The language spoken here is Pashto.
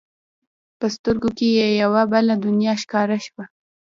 په سترګو کې یې یوه بله دنیا ښکاره شوه.